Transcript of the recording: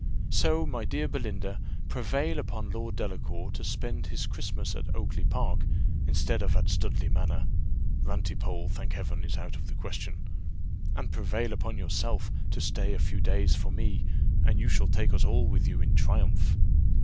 So, my dear Belinda, prevail upon Lord Delacour to spend his Christmas at Oakly park, instead of at Studley manor (Rantipole, thank Heaven! is out of the question), and prevail upon yourself to stay a few days for me, and you shall take us all with you in triumph."